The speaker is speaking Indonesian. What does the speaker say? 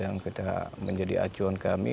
yang menjadi acuan kami